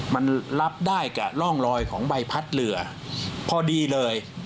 มันรับได้กับร่องรอยของใบพัดเรือพอดีเลย